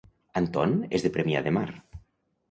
Anton és de Premià de Mar